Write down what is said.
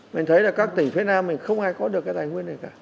mình thấy là các tỉnh phía nam mình không ai có được cái tài nguyên này cả